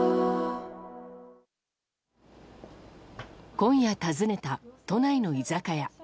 今夜訪ねた、都内の居酒屋。